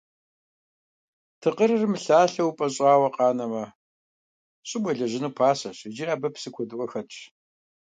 Тыкъырыр мылъалъэу упӀэщӀауэ къанэмэ, щӀым уелэжьыну пасэщ, иджыри абы псы куэдыӀуэ хэтщ.